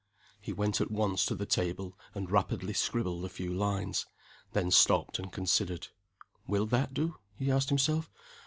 He went at once to the table and rapidly scribbled a few lines then stopped and considered. "Will that do?" he asked himself.